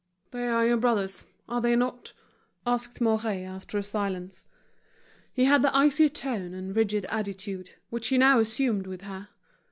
"They are your brothers, are they not?" asked Mouret, after a silence. He had the icy tone and rigid attitude, which he now assumed with her.